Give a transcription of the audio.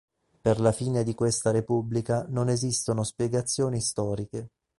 Per la fine di questa repubblica non esistono spiegazioni storiche.